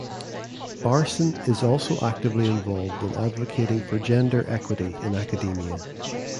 Barson is also actively involved in advocating for gender equity in academia.